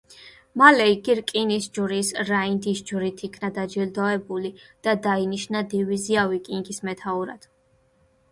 მალე იგი რკინის ჯვრის „რაინდის ჯვრით“ იქნა დაჯილდოებული და დაინიშნა დივიზია „ვიკინგის“ მეთაურად.